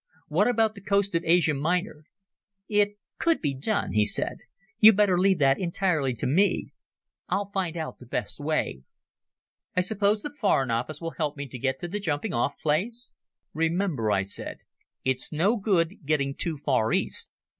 What about the coast of Asia Minor?" "It could be done," he said. "You'd better leave that entirely to me. I'll find out the best way. I suppose the Foreign Office will help me to get to the jumping off place?" "Remember," I said, "it's no good getting too far east.